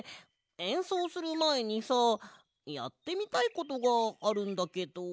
えんそうするまえにさやってみたいことがあるんだけど。